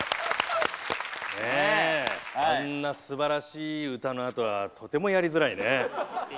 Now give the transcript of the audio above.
あんなすばらしい歌のあとはとてもやりづらいね。